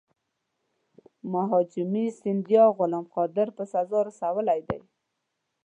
مهاجي سیندیا غلام قادر په سزا رسولی دی.